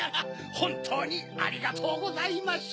ほんとうにありがとうございました。